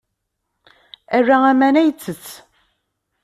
Ala aman ay yettess.